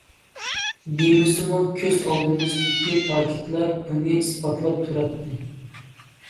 دېمىسىمۇ كۆز ئالدىمىزدىكى پاكىتلار بۇنى ئىسپاتلاپ تۇراتتى.